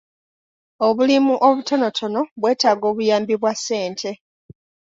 Obulimu obutonotono bwetaaga obuyambi bwa ssente.